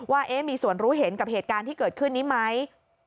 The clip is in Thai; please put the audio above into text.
ว่ามีส่วนรู้เห็นกับเหตุการณ์ที่เกิดขึ้นนี้ไหม